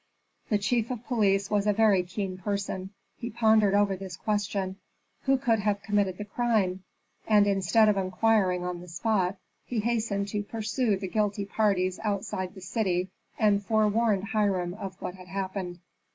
The chief of police was a very keen person; he pondered over this question, Who could have committed the crime? and instead of inquiring on the spot, he hastened to pursue the guilty parties outside the city, and forewarned Hiram of what had happened.